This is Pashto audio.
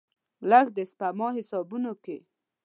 لږ، د سپما حسابونو کې